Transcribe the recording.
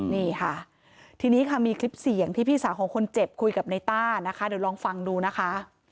นี่ค่ะทีนี้ค่ะมีคลิปเสียงที่พี่สาวของคนเจ็บคุยกับในต้านะคะเดี๋ยวลองฟังดูนะคะ